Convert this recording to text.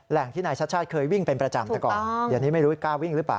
ที่นายชาติชาติเคยวิ่งเป็นประจำแต่ก่อนเดี๋ยวนี้ไม่รู้กล้าวิ่งหรือเปล่า